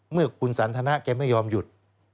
เมื่อคุณสันทนาแกไม่ยอมหยุด